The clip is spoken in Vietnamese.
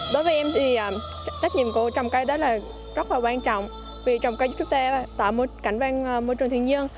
đối với em thì trách nhiệm của trồng cây đó là rất là quan trọng vì trồng cây giúp ta tạo cảnh quan môi trường thiên nhiên